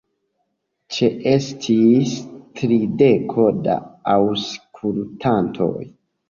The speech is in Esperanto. Ĉeestis trideko da aŭskultantoj.